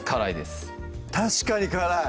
確かに辛い！